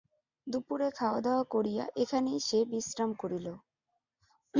দুপুরে খাওয়াদাওয়া করিয়া এখানেই সে বিশ্রাম করিল।